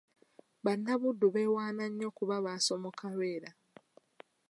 Bannabuddu beewaana nnyo kuba baasomoka Lwera.